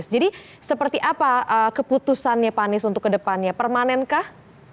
jadi seperti apa keputusannya pak anies untuk kedepannya permanenkah